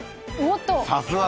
おっと。